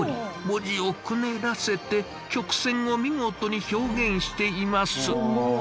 文字をくねらせて曲線を見事に表現しています。